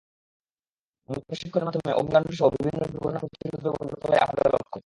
মূলত প্রশিক্ষণের মাধ্যমে অগ্নিকাণ্ডসহ বিভিন্ন দুর্ঘটনা প্রতিরোধব্যবস্থা গড়ে তোলাই আমাদের লক্ষ্য।